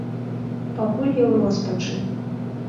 Пакуль я ў роспачы.